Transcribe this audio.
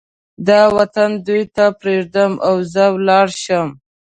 دا وطن دوی ته پرېږدم او زه ولاړ شم.